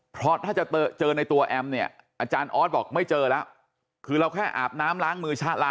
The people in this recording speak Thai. เพราะถ้าจะเจอในตัวแอมเนี่ยอาจารย์ออสบอกไม่เจอแล้ว